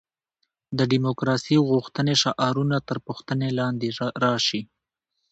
د دیموکراسي غوښتنې شعارونه تر پوښتنې لاندې راشي.